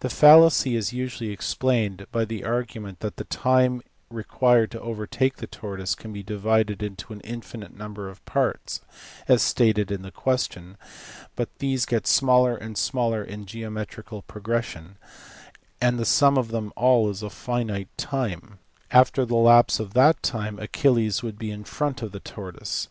The fallacy is usually explained by the argument that the time required to overtake the tortoise can be divided into an infinite number of parts, as stated in the question, but these get smaller and smaller in geometrical progression, and the sum of them all is a finite time : after the lapse of that THE ELEATIC AND ATOMISTIC SCHOOLS. 33 time Achilles would be in front of the tortoise.